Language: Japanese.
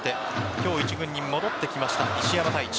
今日、一軍に戻ってきました石山泰稚。